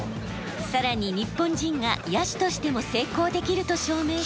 さらに日本人が野手としても成功できると証明したのが。